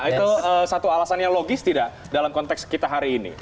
itu satu alasan yang logis tidak dalam konteks kita hari ini